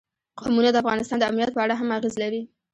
قومونه د افغانستان د امنیت په اړه هم اغېز لري.